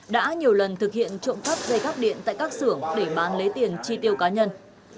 đã nhiều lần thực hiện trộm cắp dây cắp điện tại các xưởng để bán lấy tiền chi tiêu cá nhân